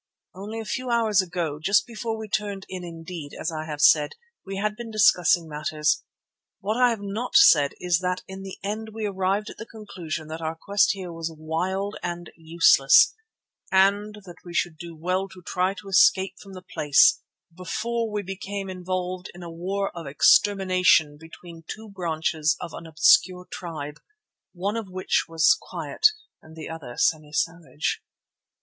Only a few hours ago, just before we turned in indeed, as I have said, we had been discussing matters. What I have not said is that in the end we arrived at the conclusion that our quest here was wild and useless and that we should do well to try to escape from the place before we became involved in a war of extermination between two branches of an obscure tribe, one of which was quite and the other semi savage.